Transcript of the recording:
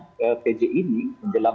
sebetulnya itu ada tiga tanggung jawab